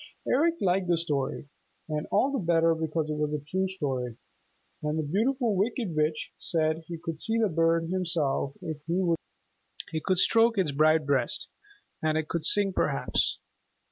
Eric liked the story, and all the better because it was a true story. And the Beautiful Wicked Witch said he could see the bird himself if he would come to her house. He could stroke its bright breast, and it would sing perhaps.